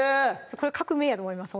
これ革命やと思います